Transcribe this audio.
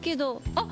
あっ！